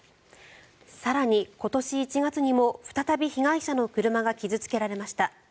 更に、今年１月にも再び被害者の車が傷付けられました。